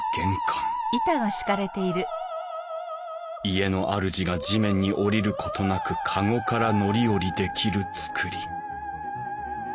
家のあるじが地面に降りることなく籠から乗り降りできる造り。